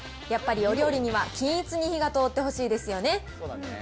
やっぱり、お料理には均一に火が通ってほしいですよね。